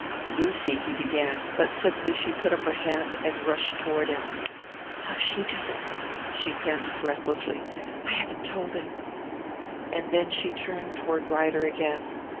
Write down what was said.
"Lucy," he began; but suddenly she put up her hand, and rushed toward him. "Hush! he doesn't know!" she panted breathlessly. "I haven't told him." And then she turned toward Ryder again.